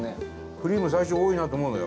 クリーム最初、多いなと思うのよ。